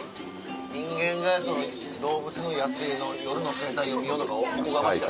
人間が動物の野生の夜の生態を見ようとかおこがましい。